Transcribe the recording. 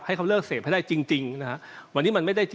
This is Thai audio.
ให้เขาเลิกเสพให้ได้จริงนะครับ